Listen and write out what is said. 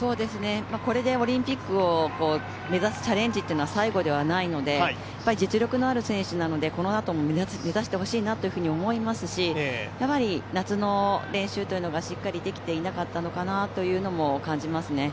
これでオリンピックを目指すチャレンジというのは最後ではないので、実力のある選手なのでこのあとも目指してほしいなと思いますし、やはり夏の練習というのがしっかりできていなかったというのも感じますね。